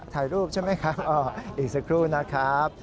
ถ่ายรูปใช่ไหมครับอีกสักครู่นะครับ